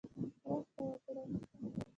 مرسته وکړي.